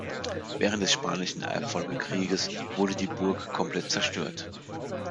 Während des Spanischen Erbfolgekrieges wurde die Burg komplett zerstört.